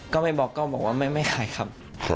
ก็ไม่บล็อกเขาบอกว่าไม่ไม่คลายครับ